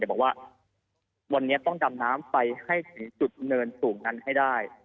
บอกว่าวันนี้ต้องดำน้ำไปให้ถึงจุดเนินสูงนั้นให้ได้